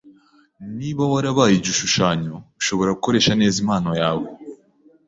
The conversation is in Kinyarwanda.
Niba warabaye igishushanyo, ushobora gukoresha neza impano yawe.